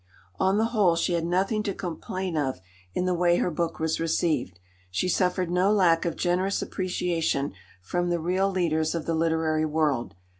On the whole she had nothing to complain of in the way her book was received; she suffered no lack of generous appreciation from the real leaders of the literary world.